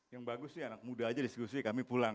yang bagus sih anak muda aja diskusi kami pulang